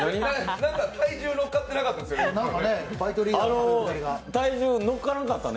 何か体重乗っかってなかったですよね？